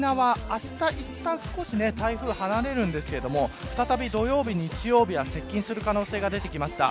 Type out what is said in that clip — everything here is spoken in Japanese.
この後、沖縄あした、いったん少し台風離れますが再び土曜日、日曜日が接近する可能性が出てきました。